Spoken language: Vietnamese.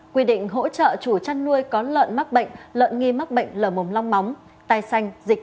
quy định hỗ trợ chủ chăn nuôi có lợn mắc bệnh lợn nghi mắc bệnh lở mồm long móng tai xanh dịch